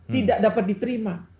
tidak dapat diterima